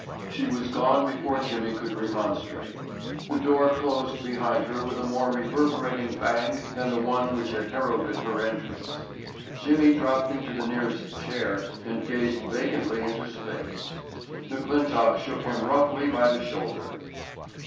She was gone before Jimmy could remonstrate. The door closed behind her with a more reverberating bang than the one which had heralded her entrance. Jimmy dropped into the nearest chair and gazed vacantly into space. McClintock shook him roughly by the shoulder.